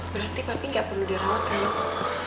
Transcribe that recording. berarti pak bay gak perlu dirawat ya